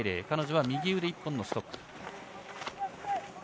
彼女は右腕１本のストック。